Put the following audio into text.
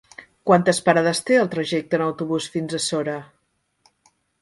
Quantes parades té el trajecte en autobús fins a Sora?